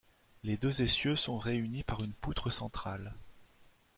Les deux essieux sont réunis par une poutre centrale.